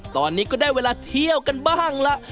ตอนนี้ก็ได้เวลาเที่ยวกันบ้างล่ะ